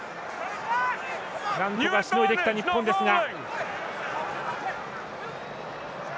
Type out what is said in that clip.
なんとかしのいできた日本ですが。